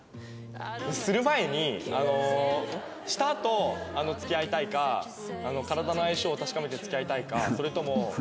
する前にあのしたあと付き合いたいか体の相性を確かめて付き合いたいかそれとも。